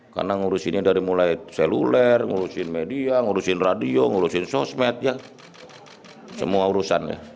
karena ngurus ini dari mulai seluler ngurusin media ngurusin radio ngurusin sosmed ya semua urusan ya